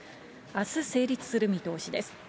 あす成立する見通しです。